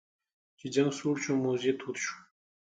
چې جنګ سوړ شو موذي تود شو.